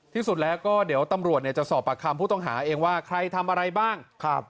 ที่สุดแล้วก็เดี๋ยวตำรวจเนี่ยจะสอบปากคำผู้ต้องหาเองว่าใครทำอะไรบ้าง